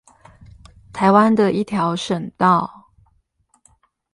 臺灣的一條省道